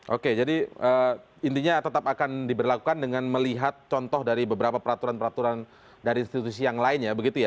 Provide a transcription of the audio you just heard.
oke jadi intinya tetap akan diberlakukan dengan melihat contoh dari beberapa peraturan peraturan dari institusi yang lainnya begitu ya